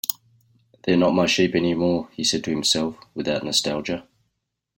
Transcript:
"They're not my sheep anymore," he said to himself, without nostalgia.